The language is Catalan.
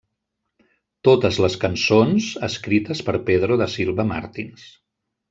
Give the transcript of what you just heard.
Totes les cançons, escrites per Pedro da Silva Martins.